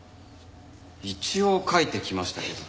一応描いてきましたけど。